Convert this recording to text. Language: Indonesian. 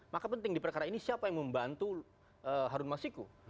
maka penting di perkara ini siapa yang membantu harun masiku